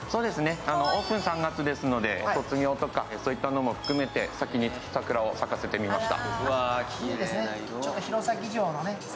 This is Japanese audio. オープンが３月ですのでご卒業とかそういったのも含めて先に桜を咲かせてみました。